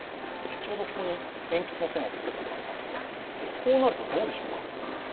ちょうどここに鉛筆の線をつけてもらったんですがこうなるとどうでしょう。